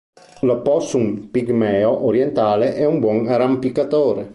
L'opossum pigmeo orientale è un buon arrampicatore.